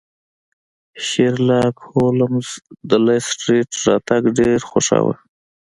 شیرلاک هولمز د لیسټرډ راتګ ډیر خوښاوه.